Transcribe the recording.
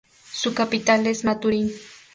Su capital es Maturín.